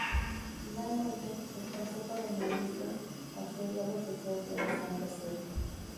Finalmente, el Consejo de Ministros accedió a los deseos de la Santa Sede.